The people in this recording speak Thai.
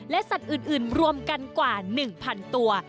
และสัตว์อื่นรวมกันกว่า๑๐๐๐ตัว